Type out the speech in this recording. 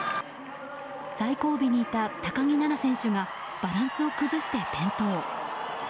最後尾にいた高木菜那選手がバランスを崩して転倒。